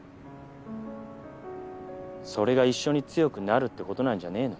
それが「一緒に強くなる」って事なんじゃねえの？